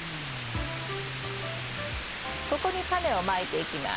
ここにタネをまいていきます。